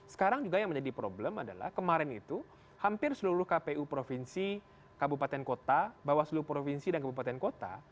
sekarang juga yang menjadi problem adalah kemarin itu hampir seluruh kpu provinsi kabupaten kota bawaslu provinsi dan kabupaten kota